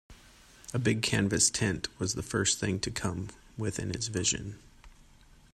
A big canvas tent was the first thing to come within his vision.